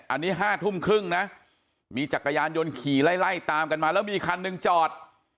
อันนี้๕ทุ่มครึ่งนะมีจักรยานยนต์ขี่ไล่ตามกันมาแล้วมีคันหนึ่งจอด